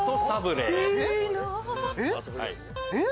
えっ？